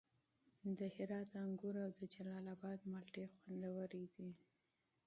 د هرات انګور او د جلال اباد مالټې خوندورې دي.